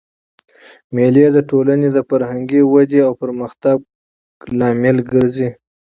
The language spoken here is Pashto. مېلې د ټولني د فرهنګي ودئ او پرمختګ لامل ګرځي.